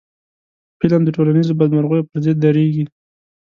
فلم د ټولنیزو بدمرغیو پر ضد درېږي